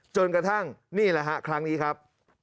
จนกระทั่งนี่แหละฮะครั้งนี้ครับ